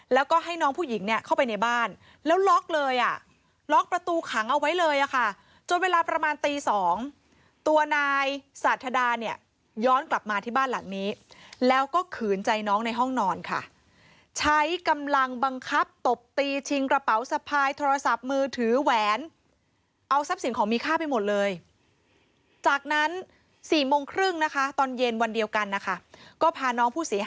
แล้วก็ให้น้องผู้หญิงเข้าไปในบ้านแล้วล็อกเลยล็อกประตูขังเอาไว้เลยจนเวลาประมาณตี๒ตัวนายศาสตร์ธดาย้อนกลับมาที่บ้านหลังนี้แล้วก็ขืนใจน้องในห้องนอนค่ะใช้กำลังบังคับตบตีชิงกระเป๋าสะพายโทรศัพท์มือถือแหวนเอาซับสินของมีค่าไปหมดเลยจากนั้น๔โมงครึ่งตอนเย็นวันเดียวกันก็พาน้